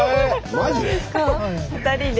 そうなんですか？